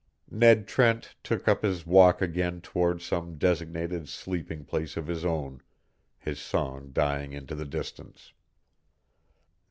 Ned Trent took up his walk again toward some designated sleeping place of his own, his song dying into the distance.